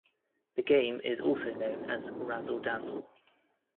The game is also known as Razzle-Dazzle.